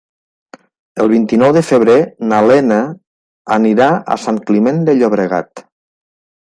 El vint-i-nou de febrer na Lena anirà a Sant Climent de Llobregat.